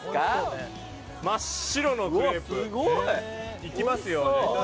真っ白のクレープ。いきますよ。